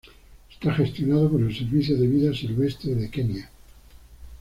Está gestionado por el Servicio de Vida Silvestre de Kenia.